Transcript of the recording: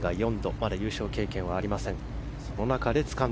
まだ優勝経験はありません。